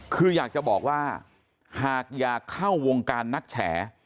คืออยากจะบอกว่าหากอยากเข้าวงการนักแฉ